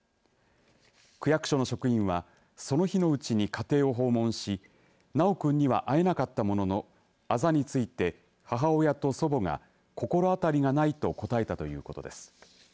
区役所の職員は、その日のうちに家庭を訪問し修くんには会えなかったもののあざについて母親と祖母が心当たりがないと答えたということです。